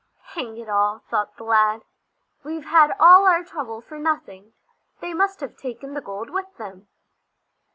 "Hang it all!" thought the lad, "we've had all our trouble for nothing! They must have taken the gold with them."